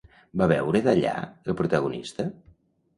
Va beure d'allà el protagonista?